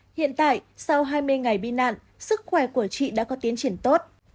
hiện tại sau hai mươi ngày bị nạn sức khỏe của chị đã có tiến triển tốt